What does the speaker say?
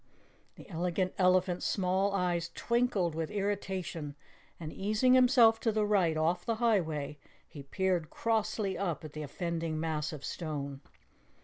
The Elegant Elephant's small eyes twinkled with irritation, and easing himself to the right off the highway, he peered crossly up at the offending mass of stone.